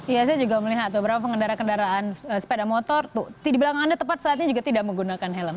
ya saya juga melihat beberapa pengendara kendaraan sepeda motor di belakang anda tepat saatnya juga tidak menggunakan helm